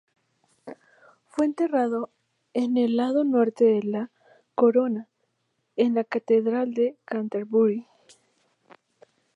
Fue enterrado en el lado norte de la "Corona" en la catedral de Canterbury.